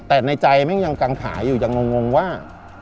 แต่ในใจแม่งยังกังขาอยู่ยังงงว่า